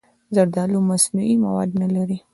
زردالو مصنوعي مواد نه لري.